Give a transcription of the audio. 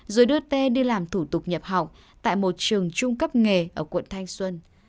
rồi đưa tê đi làm thủ tục nhập học tại một trường trung cấp nghề ở quận thanh xuân